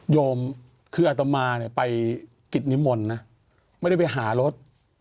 โยมคืออาตมาไปกิจนิมมลนะไม่ได้ไปหารถ